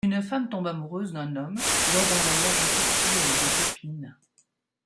Une femme tombe amoureuse d'un homme, lors d'un voyage en Turquie avec des copines.